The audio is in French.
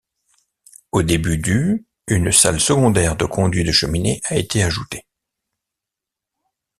Au début du une salle secondaire de conduit de cheminée a été ajouté.